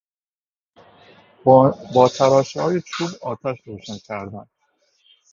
با تراشههای چوب آتش روشن کردیم.